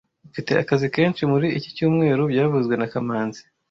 Mfite akazi kenshi muri iki cyumweru byavuzwe na kamanzi